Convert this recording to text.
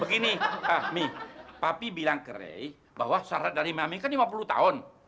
begini mi papi bilang ke rey bahwa syarat dari mami kan lima puluh tahun